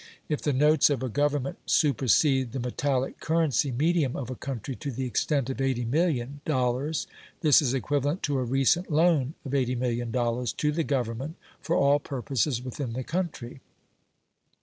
If the notes of a Government supersede the metallic currency medium of a country to the extent of $80,000,000, this is equivalent to a recent loan of $80,000,000 to the Government for all purposes within the country.